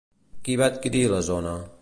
Qui va adquirir la zona?